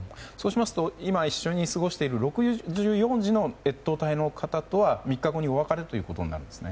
今、一緒に過ごしている６４次の越冬隊の方とは３日後にお別れとなるんですね。